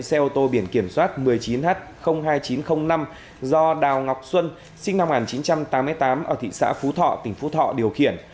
xe ô tô biển kiểm soát một mươi chín h hai nghìn chín trăm linh năm do đào ngọc xuân sinh năm một nghìn chín trăm tám mươi tám ở thị xã phú thọ tỉnh phú thọ điều khiển